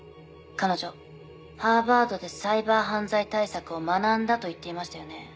彼女ハーバードでサイバー犯罪対策を学んだと言っていましたよね。